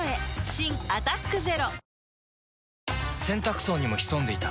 新「アタックＺＥＲＯ」洗濯槽にも潜んでいた。